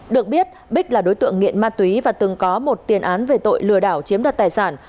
được biết bích là đối tượng nghiện ma túy và từng có một tiền án về tội lừa đảo chiếm đoạt tài sản